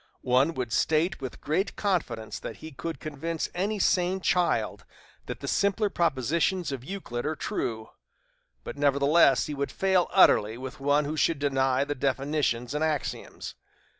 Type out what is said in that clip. One would state with great confidence that he could convince any sane child that the simpler propositions of Euclid are true; but, nevertheless, he would fail, utterly, with one who should deny the definitions and axioms.